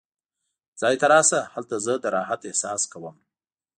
ځای ته راشه، هلته زه د راحت احساس کوم.